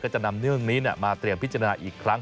ก็จะนำเรื่องนี้มาพิจารณาอีกครั้ง